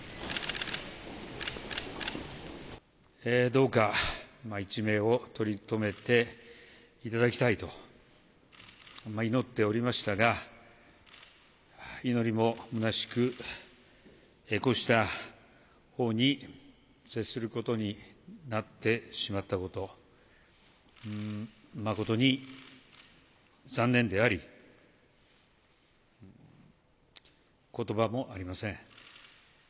どうか一命を取り留めていただきたいと祈っておりましたが、祈りもむなしく、こうした報に接することになってしまったこと、誠に残念であり、ことばもありません。